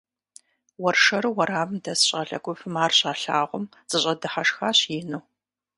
Уэршэру уэрамым дэс щӏалэ гупым ар щалъагъум, зэщӏэдыхьэшхащ ину.